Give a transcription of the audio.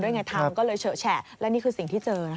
ด้วยไงทางก็เลยเฉอะแชะและนี่คือสิ่งที่เจอนะครับ